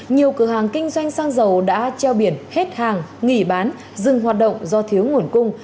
nhiều cửa hàng kinh doanh xăng dầu đã treo biển hết hàng nghỉ bán dừng hoạt động do thiếu nguồn cung